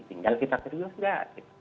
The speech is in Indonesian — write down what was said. tinggal kita serius nggak